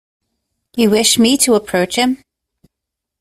You wish me to approach him?